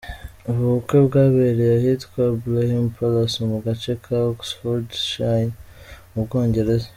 Ubu bukwe bwabereye ahitwa Blenheim Palace, mu gace ka Oxfordshire mu Bwongereza.